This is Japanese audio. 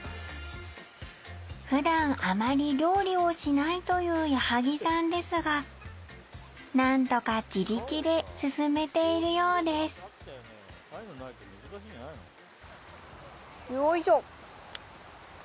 普段あまり料理をしないという矢作さんですが何とか自力で進めているようですよいしょ！